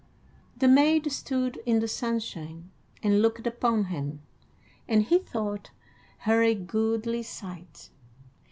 The maid stood in the sunshine and looked upon him, and he thought her a goodly sight.